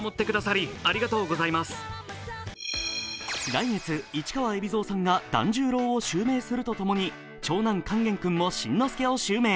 来月、市川海老蔵さんが團十郎を襲名するとともに長男・勸玄君も新之助を襲名。